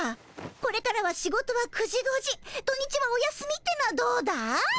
これからは仕事は９時５時土日はお休みってのはどうだい？